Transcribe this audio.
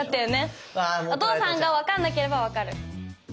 お父さんが分かんなければ分かる。